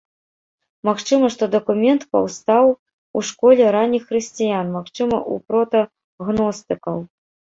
Магчыма, што дакумент паўстаў у школе ранніх хрысціян, магчыма ў прота-гностыкаў.